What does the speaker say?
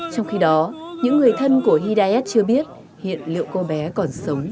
trong khi đó những người thân của hydis chưa biết hiện liệu cô bé còn sống